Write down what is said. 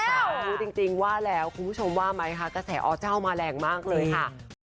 รู้จริงว่าแล้วคุณผู้ชมว่าไหมคะกระแสอเจ้ามาแรงมากเลยค่ะ